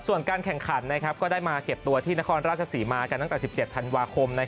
ส่วนการแข่งขันก็ได้มาเก็บตัวที่นครราชศรีมากันตั้งแต่๑๗ธันวาคม